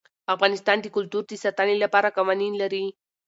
افغانستان د کلتور د ساتنې لپاره قوانین لري.